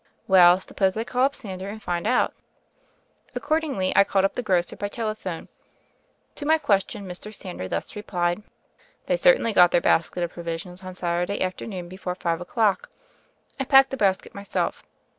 "Well, suppose I call up Sander and find o?jt." Accordingly I called up the grocer by tele phone. To my question, Mr. Sander thus replied : "They certainly got their basket of provi sions on Saturday afternoon before five o'clock. I packed the basket myself.